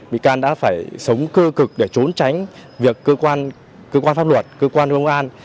bị can đã phải sống cơ cực để trốn tránh việc cơ quan pháp luật cơ quan công an